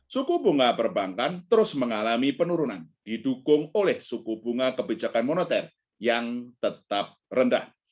suku bunga perbankan terus mengalami penurunan didukung oleh suku bunga kebijakan moneter yang tetap rendah